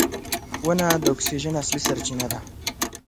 • ونه د اکسیجن اصلي سرچینه ده.